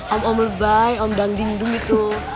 om om lebay om dandingdung itu